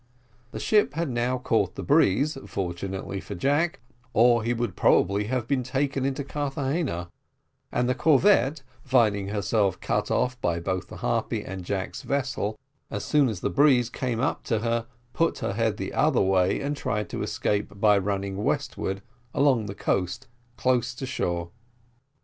The ship had now caught the breeze, fortunately for Jack, or he would probably have been taken into Carthagena; and the corvette, finding herself cut off by both the Harpy and Jack's vessel, as soon as the breeze came up to her, put her head the other way, and tried to escape by running westward along the coast close in shore.